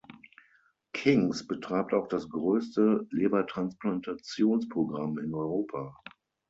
King's betreibt auch das größte Lebertransplantationsprogramm in Europa.